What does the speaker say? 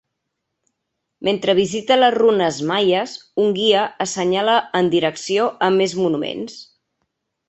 Mentre visita les runes maies un guia assenyala en direcció a més monuments